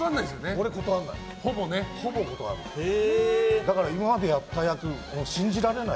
俺、ほぼ断らない。